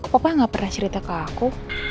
bapak nggak pernah cerita ke aku